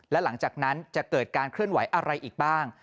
และหลังจากนั้นจะเกิดการเคลื่อนไหวอะไรอีกบ้าง